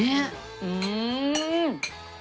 うん！